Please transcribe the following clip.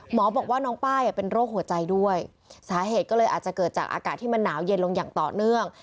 หมอบอกว่าน้องป้ายเป็นโรคหัวใจด้วยสาเหตุก็เลยอาจจะเกิดจากอากาศที่มันหนาวเย็นลงอย่างต่อเนื่อง